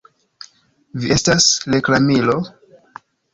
Vi estas reklamilo!?